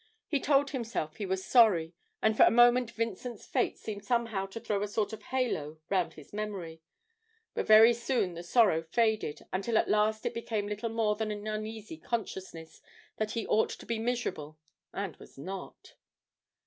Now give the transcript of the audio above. He told himself he was sorry, and for a moment Vincent's fate seemed somehow to throw a sort of halo round his memory, but very soon the sorrow faded, until at last it became little more than an uneasy consciousness that he ought to be miserable and was not.